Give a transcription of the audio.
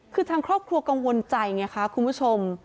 คือทางครอบครัวกังวลใจไงคะคุณผู้ชม